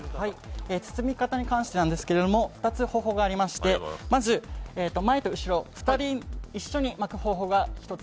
包み方に関してなんですけれども、２つ方法がありましてまず、前と後ろ、２人一緒に巻く方法が１つ。